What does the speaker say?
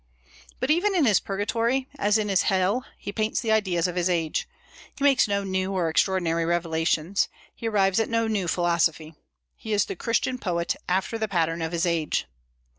But even in his purgatory, as in his hell, he paints the ideas of his age. He makes no new or extraordinary revelations. He arrives at no new philosophy. He is the Christian poet, after the pattern of his age.